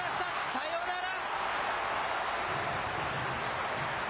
サヨナラ。